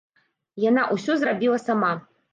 Яна ўсё зрабіла сама.